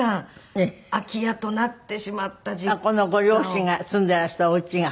このご両親が住んでいらしたお家が。